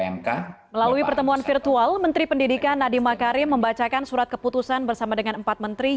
mk melalui pertemuan virtual menteri pendidikan nadiem makarim membacakan surat keputusan bersama dengan empat menteri